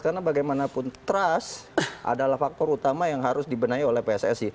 karena bagaimanapun trust adalah faktor utama yang harus dibenahi oleh pssi